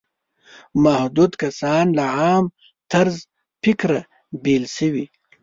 محدود کسان له عام طرز فکره بېل شوي.